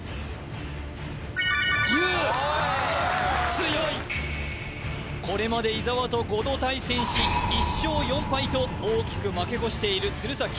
Ｕ強いこれまで伊沢と５度対戦し１勝４敗と大きく負け越している鶴崎